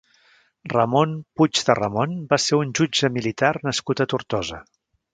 Ramón Puig de Ramón va ser un jutge militar nascut a Tortosa.